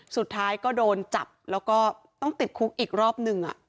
สุดท้ายก็โดนจับแล้วก็ต้องติดคุกอีกรอบนึง